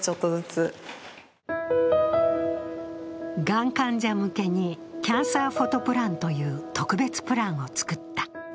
がん患者向けにキャンサーフォトプランという特別プランを作った。